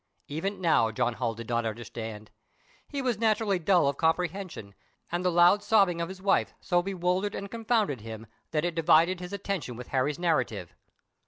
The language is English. Even now John Holl did not understand. He was naturally dull of comprehension, and the loud sobbing of his wife so bewildered and confounded him that it divided his attention with Harry's narrative.